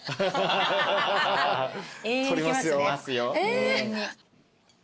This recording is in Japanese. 撮りますよ。